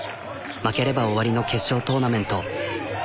負ければ終わりの決勝トーナメント。